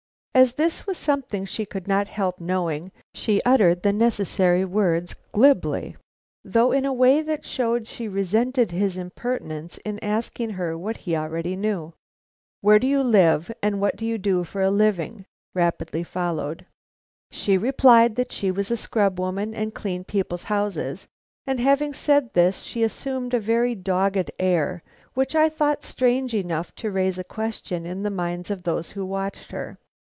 As this was something she could not help knowing, she uttered the necessary words glibly, though in a way that showed she resented his impertinence in asking her what he already knew. "Where do you live? And what do you do for a living?" rapidly followed. She replied that she was a scrub woman and cleaned people's houses, and having said this, she assumed a very dogged air, which I thought strange enough to raise a question in the minds of those who watched her.